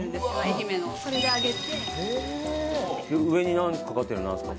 上にかかってるのなんですか？